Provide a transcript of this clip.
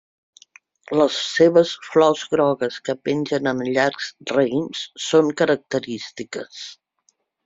Les seves flors grogues que pengen en llargs raïms són característiques.